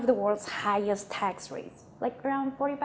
satu dari tax rate terbesar di dunia